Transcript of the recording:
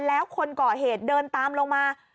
แล้วคนก่อเหตุเดินตามลงมา